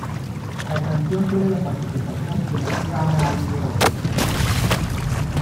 La canción tiene la participación de las Brown Eyed Girls.